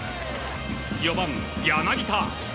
４番、柳田。